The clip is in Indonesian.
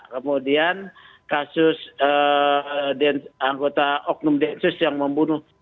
kemudian kasus anggota oknum densus yang membunuh